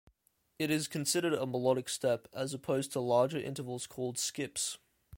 It is considered a melodic step, as opposed to larger intervals called skips.